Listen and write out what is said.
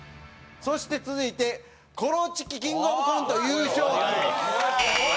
そして続いてコロチキキングオブコント優勝期。